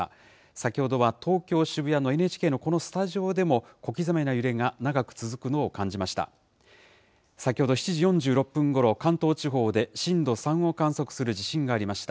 先ほどは東京・渋谷のＮＨＫのこのスタジオでも、小刻みな揺れが長く続くのを感じました。